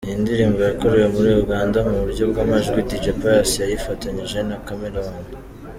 Iyi ndirimbo yakorewe muri Uganda mu buryo bw’amajwi, Dj Pius yayifatanyije na Chameleone.